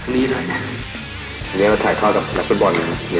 งั้นจะถ่ายเท่ากับนักฟุร์ตบอลดละเนี้ย